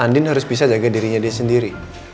andin harus bisa jaga dirinya dia sendiri